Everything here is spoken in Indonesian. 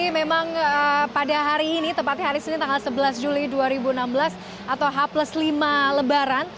memang pada hari ini tepatnya hari senin tanggal sebelas juli dua ribu enam belas atau h lima lebaran